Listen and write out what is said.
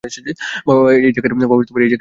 বাবা, এই জায়গাটা কিসের?